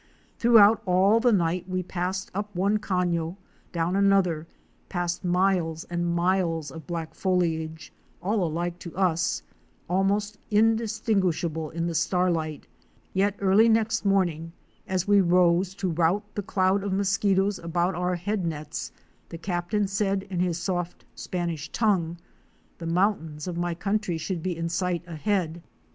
Throughout all the night we passed up one cafio, down another, past miles and miles of black foliage, all alike to us, almost indistinguisnable in the starlight, yet early next morn ing as we rose to rout the cloud of mosquitoes about our head nets, the captain said in his soft Spanish tongue, '' The mountains of my country should be in sight ahead.